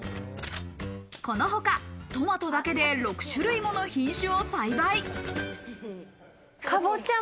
このほかトマトだけで６種類もの品種を栽培。